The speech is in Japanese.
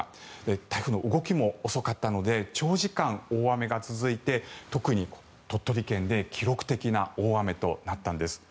台風の動きも遅かったので長時間、大雨が続いて特に鳥取県で記録的な大雨となったんです。